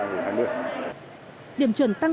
điểm truyền tăng khá là tốt